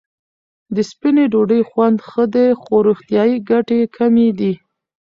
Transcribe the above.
د سپینې ډوډۍ خوند ښه دی، خو روغتیايي ګټې کمې دي.